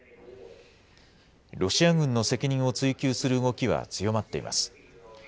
ロシア軍の責任を追及する動きは強まっています。